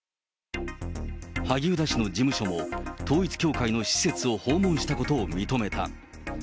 萩生田氏の事務所も統一教会の施設を訪問したことを認めた。